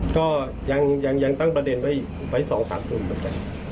ก็ยังตั้งประเด็นไว้๒๓จุด